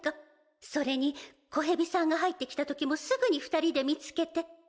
それに子ヘビさんが入ってきたときもすぐに２人で見つけて。